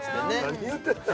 何言うてんねん